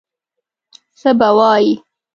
څه به وایي.